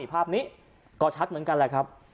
ภาพนี้ก็ชัดเหมือนกันแหละครับ